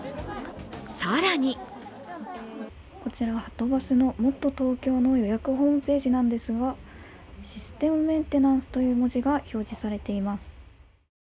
更にこちらははとバスのもっとＴｏｋｙｏの予約ホームページなんですがシステムメンテナンスという文字が表示されています。